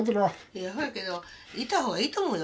そうやけど行った方がいいと思うよ